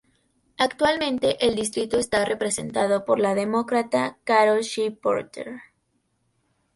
Actualmente el distrito está representado por la Demócrata Carol Shea-Porter.